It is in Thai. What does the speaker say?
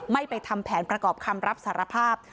ไม่ไปทำแผนประกอบคำรับสารภาพ